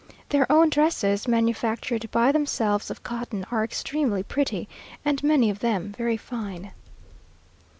Their own dresses, manufactured by themselves of cotton, are extremely pretty, and many of them very fine.